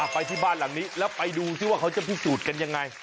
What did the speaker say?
ไปที่บ้านหลังนี้แล้วไปดูซิว่าเขาจะพิสูจน์กันยังไง